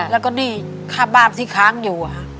แล้วก็หนี้ค่าบ้านที่ค้างอยู่